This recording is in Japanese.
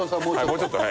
もうちょっと。